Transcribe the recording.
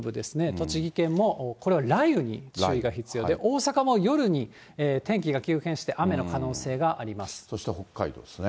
栃木県もこれは雷雨に注意が必要で、大阪も夜に天気が急変して雨そして北海道ですね。